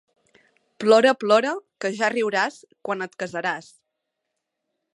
Plora, plora, que ja riuràs quan et casaràs.